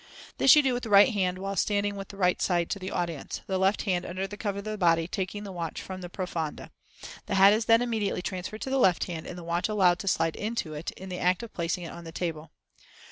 This you do with the right hand while standing with the right side to the audience; the left hand under cover of the body taking the watch from the profonde. The hat is then immediately transferred to the left hand, and the watch allowed to slide into it in the act of placing it on the table.